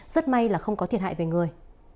rất may là không có thiệt hại về người